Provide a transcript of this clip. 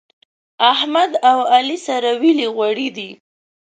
احمد او علي سره ويلي غوړي دي.